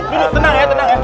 tenang ya tenang ya